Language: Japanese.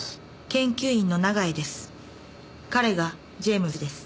研究員の長江です。